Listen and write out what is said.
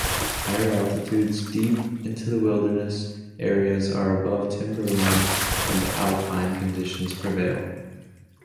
Higher altitudes deep into the wilderness areas are above timberline and alpine conditions prevail.